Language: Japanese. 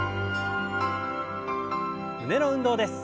胸の運動です。